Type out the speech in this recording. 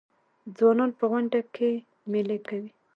ځوانان په غونډیو کې میلې کوي.